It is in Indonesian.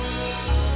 kamu juga sama